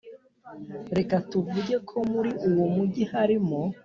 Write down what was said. Reka tuvuge ko muri uwo mugi harimo